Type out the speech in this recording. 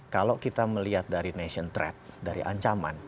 kalau kita melihat dari nasional threat dari ancaman